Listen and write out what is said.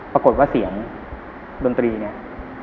ปรากฏว่าเสียงดนตรีเนี่ย